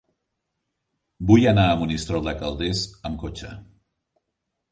Vull anar a Monistrol de Calders amb cotxe.